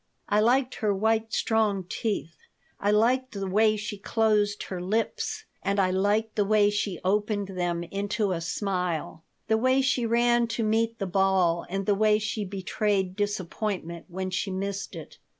I liked her white, strong teeth. I liked the way she closed her lips and I liked the way she opened them into a smile; the way she ran to meet the ball and the way she betrayed disappointment when she missed it.